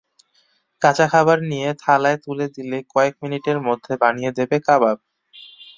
কাঁচা খাবার নিয়ে থালায় তুলে দিলেই কয়েক মিনিটের মধ্যে বানিয়ে দেবে কাবাব।